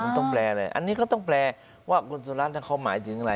ต้องแปลอะไรอันนี้ก็ต้องแปลว่าคุณสุรัตน์เขาหมายถึงอะไร